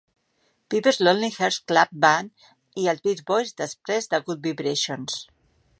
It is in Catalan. Pepper's Lonely Hearts Club Band" i els Beach Boys després de "Good Vibrations".